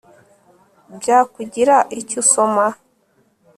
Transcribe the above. Bya kugira icyo usoma